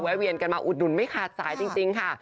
เวียนกันมาอุดหนุนไม่ขาดสายจริงค่ะ